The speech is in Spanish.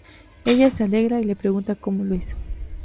Ella se alegra y le pregunta como lo hizo.